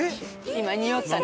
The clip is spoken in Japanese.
今におったね。